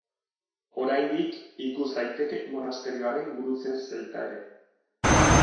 Oraindik ikus daiteke monasterioaren gurutze zelta ere.